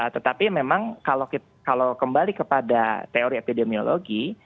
tetapi memang kalau kembali kepada teori epidemiologi